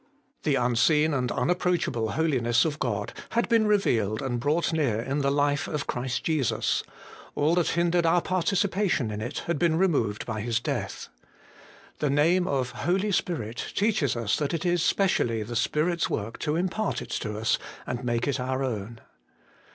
The unseen 134 HOLY IN CHRIST. and unapproachable holiness of God had been revealed and brought near in the life of Christ Jesus ; all that hindered our participation in it had been removed by His death. The name of Holy Spirit teaches us that it is specially the Spirit's work to impart it to us and make it our own.